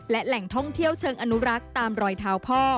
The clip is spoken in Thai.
และแหล่งท่องเที่ยวเชิงอนุรักษ์ตามรอยเท้าพ่อ